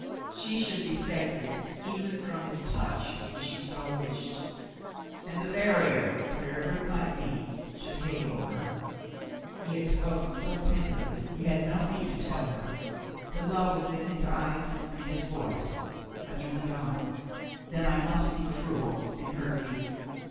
She should be sacred even from his touch, if she so wished, and the barrier, whatever it might be, should halo her. He had spoken so tenderly he had no need to tell her. The love was in his eyes and his voice, but he went on. "Then I must be cruel and hurt you.